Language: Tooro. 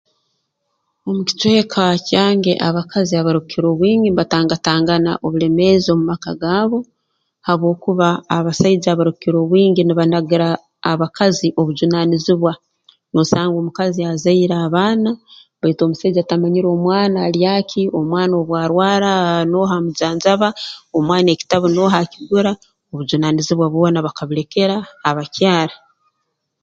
Omu kicweka kyange abakazi abarukukira obwingi mbatangatangana obulemeezi omu maka gaabo habwokuba abasaija abarukukira obwingi nibanagira abakazi obujunaaniizibwa noosanga omukazi azaire abaana baitu omusaija tamanyire omwana alyaki omwana obu arwara nooha amujanjaba omwana ekitabu nooha akigura obujunaanizibwa bwona bakabulekera abakyara